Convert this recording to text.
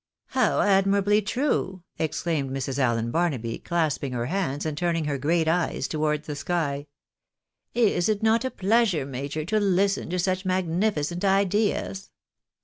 " How admirably true !" exclaimed Mrs. Allen Barnaby, clasp ing her hands, and turning her great eyes towards the sky. " Is it not a pleasure, major, to listen to such magnificent ideas